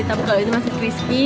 tapi kalau itu masih crispy